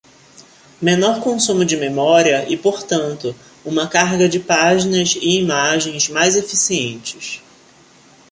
Menor consumo de memória e, portanto, uma carga de páginas e imagens mais eficientes.